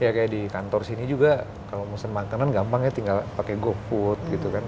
ya kayak di kantor sini juga kalau mesen makanan gampang ya tinggal pakai gofood gitu kan